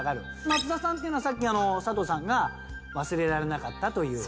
松田さんってのはさっき佐藤さんが忘れられなかったという。